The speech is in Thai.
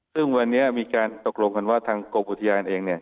ซึ่งในวันนี้มีการตกลงว่าทางกรมปุฏิญาณเองเนี่ย